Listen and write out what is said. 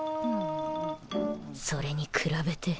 それに比べて